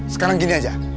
sekarang gini aja